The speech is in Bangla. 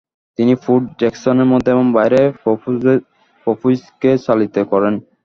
তিনি পোর্ট জ্যাকসনের মধ্যে এবং বাইরে পর্পোইজকে চালিত করেন।